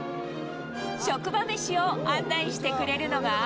職場飯を案内してくれるのが。